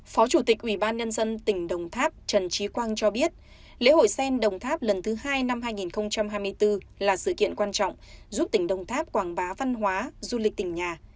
phó chủ tịch ủy ban nhân dân tỉnh đồng tháp trần trí quang cho biết lễ hội sen đồng tháp lần thứ hai năm hai nghìn hai mươi bốn là sự kiện quan trọng giúp tỉnh đồng tháp quảng bá văn hóa du lịch tỉnh nhà